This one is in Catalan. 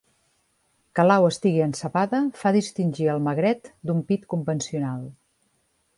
Que l'au estigui encebada fa distingir el magret d'un pit convencional.